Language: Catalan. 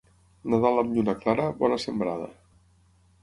Nadal amb lluna clara, bona sembrada.